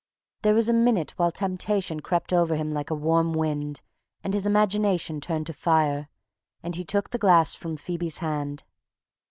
There was a minute while temptation crept over him like a warm wind, and his imagination turned to fire, and he took the glass from Phoebe's hand.